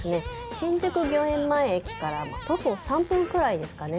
新宿御苑前駅から徒歩３分くらいですかね